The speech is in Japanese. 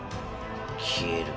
消える。